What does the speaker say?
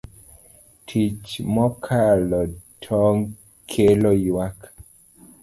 Tich mokalo tong' kelo ywak.